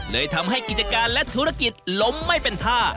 เลยทำให้กิจการและธุรกิจล้มไม่เป็นท่า